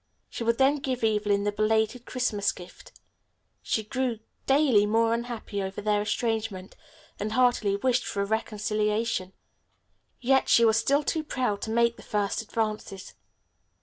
She would then give Evelyn the belated Christmas gift. She grew daily more unhappy over their estrangement, and heartily wished for a reconciliation. Yet she was still too proud to make the first advances.